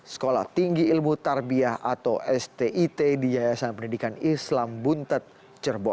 sekolah tinggi ilmu tarbiah atau stit di yayasan pendidikan islam buntet cirebon